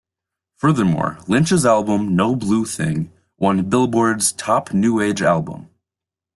Furthermore, Lynch's album "No Blue Thing" won Billboard's "Top New Age Album".